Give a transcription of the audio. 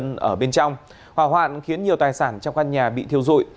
nhưng ở bên trong hỏa hoạn khiến nhiều tài sản trong căn nhà bị thiêu dụi